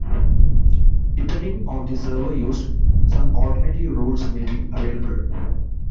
Depending on the server used, some alternative rules may be available.